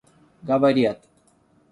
говорят